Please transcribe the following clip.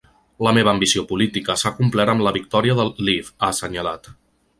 La meva ambició política s’ha complert amb la victòria del Leave, ha assenyalat.